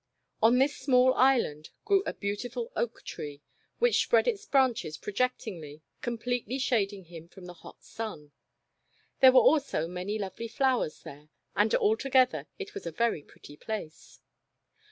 On this small Island grew a beautiful oak tree, which spread its branches protectingly, completely shading him from the hot sun. There were also many lovely flowers there, and altogether it was a very pretty place.